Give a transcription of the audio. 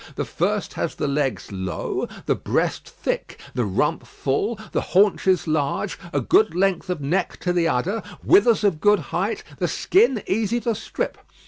The first has the legs low, the breast thick, the rump full, the haunches large, a good length of neck to the udder, withers of good height, the skin easy to strip.